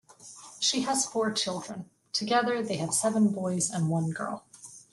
She has four children, together they have seven boys and one girl.